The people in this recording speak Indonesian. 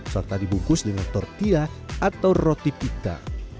serta dibungkus dengan tortilla atau roti pita